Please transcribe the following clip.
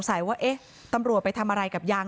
แล้วเดี๋ยวเล่าความคลิปกันก่อน